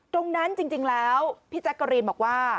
ตรงนั้นจริงแล้วพี่แจกรีมบอกว่า